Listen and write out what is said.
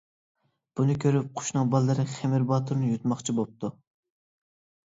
بۇنى كۆرۈپ قۇشنىڭ بالىلىرى خېمىر باتۇرنى يۇتماقچى بوپتۇ.